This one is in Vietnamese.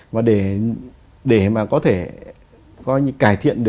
và để mà có thể